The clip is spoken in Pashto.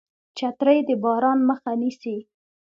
چترۍ د باران مخه نیسي